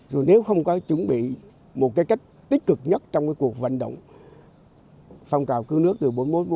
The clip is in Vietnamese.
rồi nếu không có chuẩn bị một cách tích cực nhất trong cuộc vận động phòng trào cư nước từ một nghìn chín trăm bốn mươi một một nghìn chín trăm bốn mươi năm